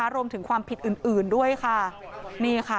รวมถึงความผิดอื่นด้วยค่ะ